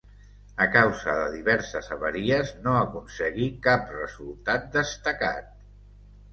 A causa de diverses avaries no aconseguí cap resultat destacat.